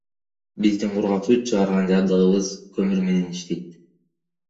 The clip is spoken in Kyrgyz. Биздин кургак сүт чыгарган жабдыгыбыз көмүр менен иштейт.